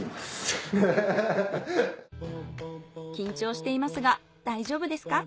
緊張していますが大丈夫ですか？